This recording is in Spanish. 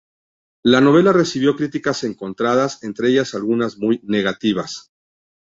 La novela recibió críticas encontradas, entre ellas algunas muy negativas.